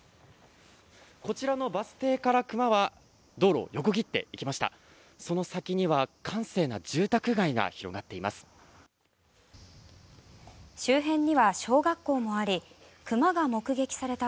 こちらのバス停から熊は道路を横切っていきました。